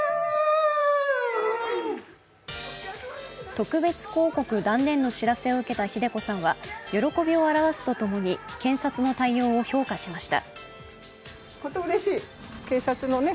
特別抗告断念の知らせを受けた、ひで子さんは喜びを表すとともに検察の対応を評価しました。